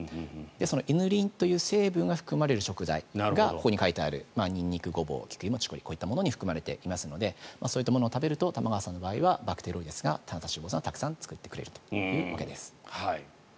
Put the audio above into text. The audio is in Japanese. そのイヌリンという成分が含まれる食材がここに書いてあるニンニク、ゴボウキクイモ、チコリこういったものに含まれていますのでそういったものを食べると玉川さんの場合はバクテロイデスが短鎖脂肪酸をたくさん作ってくれるというわけです。